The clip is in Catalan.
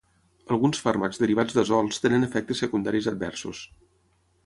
Alguns fàrmacs derivats d'azols tenen efectes secundaris adversos.